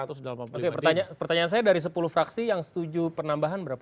oke pertanyaan saya dari sepuluh fraksi yang setuju penambahan berapa